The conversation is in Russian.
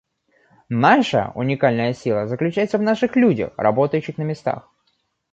Наша уникальная сила заключается в наших людях, работающих на местах.